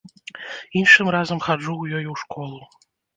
Іншым разам хаджу ў ёй у школу.